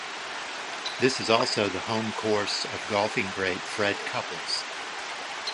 This is also the home course of golfing great Fred Couples.